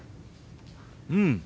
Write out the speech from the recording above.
うん。